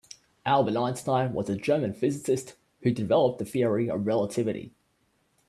Albert Einstein was a German physicist who developed the Theory of Relativity.